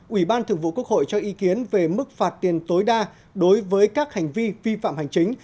ủy ban thường vụ quốc hội cho ý kiến về mức phạt tiền tối đa đối với các hành vi vi phạm hành chính